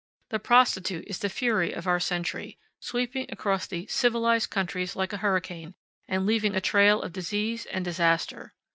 The prostitute is the fury of our century, sweeping across the "civilized" countries like a hurricane, and leaving a trail of disease and disaster.